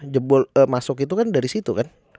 jebol masuk itu kan dari situ kan